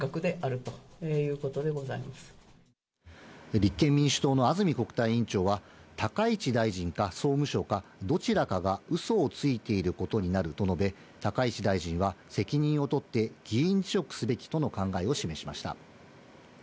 立憲民主党の安住国対委員長は高市大臣か総務省かどちらかがウソをついていることになると述べ、高市大臣は責任をとって議員辞職すべきとの考えを示しました。